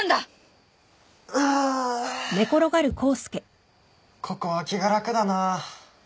あここは気が楽だなあ。